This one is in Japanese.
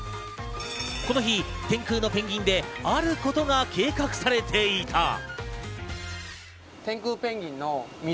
この日、天空のペンギンであることが計画されていた。